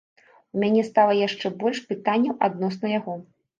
У мяне стала яшчэ больш пытанняў адносна яго.